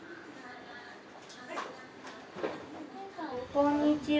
こんにちは。